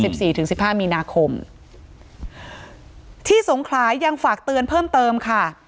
สี่ถึงสิบห้ามีนาคมที่สงขลายังฝากเตือนเพิ่มเติมค่ะ